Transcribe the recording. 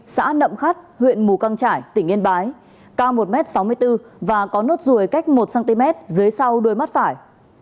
xã nậm khắt huyện mù căng trải tỉnh yên bái cao một m sáu mươi bốn và có nốt ruồi cách một cm dưới sau đuôi mắt phải